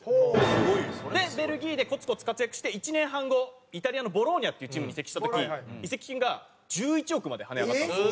すごい！でベルギーでこつこつ活躍して１年半後イタリアのボローニャっていうチームに移籍した時移籍金が１１億まで跳ね上がったんですよ。